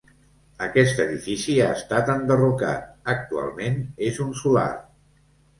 Aquest edifici ha estat enderrocat, actualment és un solar.